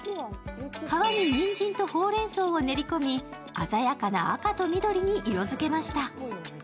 皮ににんじんとほうれん草を練り込み、鮮やかな赤と緑に色づけました。